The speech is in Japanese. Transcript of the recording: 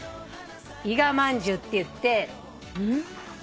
いがまんじゅうっていって。